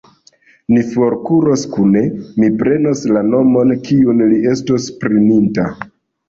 Ni forkuros kune: mi prenos la nomon, kiun li estos preninta.